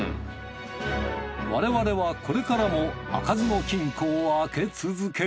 我々はこれからも開かずの金庫を開け続ける